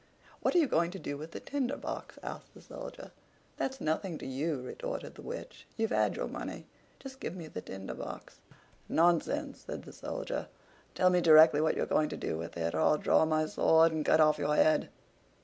"What are you going to do with the Tinder box?" asked the Soldier. "That's nothing to you," retorted the Witch. "You've had your money; just give me the Tinder box." "Nonsense!" said the Soldier. "Tell me directly what you're going to do with it or I'll draw my sword and cut off your head."